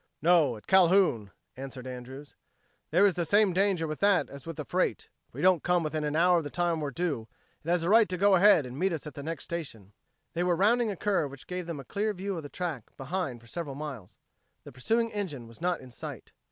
"No, at Calhoun," answered Andrews. "There is the same danger with that as with the freight. If we don't come within an hour of the time we're due, it has a right to go ahead and meet us at the next station." They were rounding a curve which gave them a clear view of the track behind for several miles. The pursuing engine was not in sight.